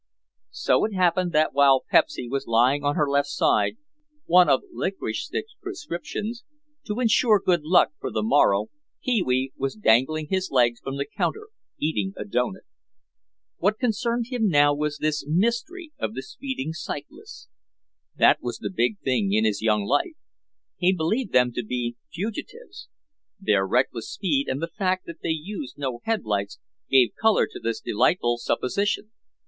So it happened that while Pepsy was lying on her left side (one of Licorice Stick's prescriptions) to insure good luck for the morrow, Pee wee was dangling his legs from the counter eating a doughnut. What concerned him now was this mystery of the speeding cyclists. That was the big thing in his young life. He believed them to be fugitives. Their reckless speed, and the fact that they used no headlights, gave color to this delightful supposition.